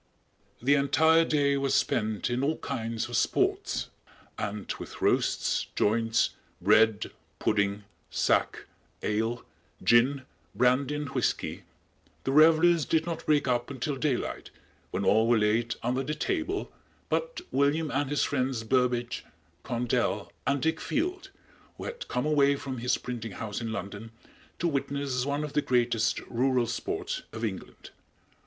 The entire day was spent in all kinds of sports, and with roasts, joints, bread, pudding, sack, ale, gin, brandy and whiskey, the revelers did not break up until daylight, when all were laid under the table but William and his friends Burbage, Condell and Dick Field, who had come away from his printing house in London to witness one of the greatest rural sports of England.